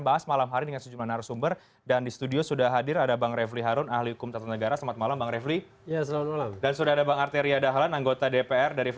bang zulkifli hasan ketua mpr